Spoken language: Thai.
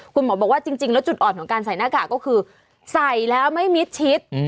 คุณหมอบอกว่าจริงแล้วจุดอ่อนของการใส่หน้ากากก็คือใส่แล้วไม่มิดชิด